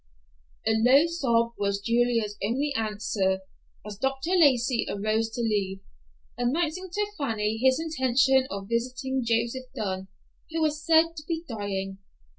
A low sob was Julia's only answer as Dr. Lacey arose to leave, announcing to Fanny his intention of visiting Joseph Dunn, who was said to be dying.